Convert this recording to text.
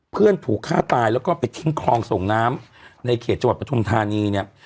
เพื่อนถูกฆ่าตายแล้วก็ไปทิ้งคลองส่งน้ำในเขตจังหวัดปฐุมธานีเนี่ย